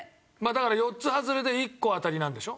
だから４つはずれで１個あたりなんでしょ？